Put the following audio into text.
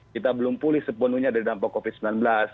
kita belum pulih sepenuhnya dari dampak covid sembilan belas